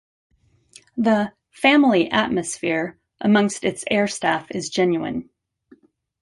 The "family atmosphere" amongst its airstaff is genuine.